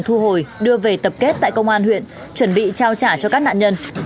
thu hồi đưa về tập kết tại công an huyện chuẩn bị trao trả cho các nạn nhân